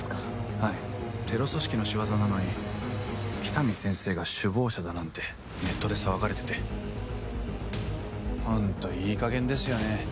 はいテロ組織の仕業なのに喜多見先生が首謀者だなんてネットで騒がれててホントいいかげんですよね